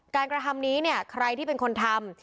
กระทำนี้เนี่ยใครที่เป็นคนทำ